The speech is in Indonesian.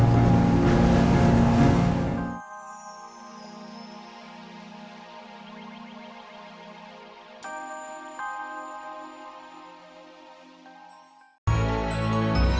dua tahun gelap